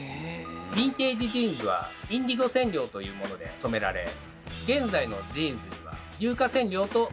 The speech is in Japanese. ヴィンテージジーンズはインディゴ染料というもので染められ現在のジーンズには硫化染料というものが使われています。